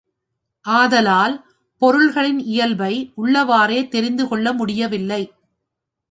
ஆதலால் பொருள்களின் இயல்பை உள்ளவாறே தெரிந்து கொள்ள முடியவில்லை.